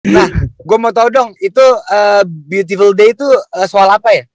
nah gue mau tau dong itu beautiful day itu soal apa ya